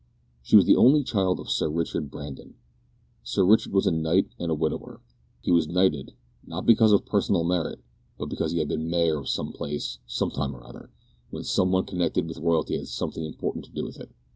She was the only child of Sir Richard Brandon. Sir Richard was a knight and a widower. He was knighted, not because of personal merit, but because he had been mayor of some place, sometime or other, when some one connected with royalty had something important to do with it!